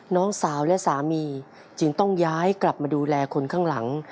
น้องสาวและสามีจึงต้องย้ายกลับมาดูแลคนข้างหลัง